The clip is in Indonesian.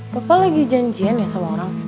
pokoknya lagi janjian ya sama orang